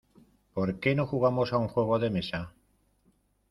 ¿Por qué no jugamos a un juego de mesa?